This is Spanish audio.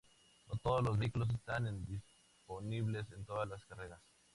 No todos los vehículos están en disponibles en todas las carreras.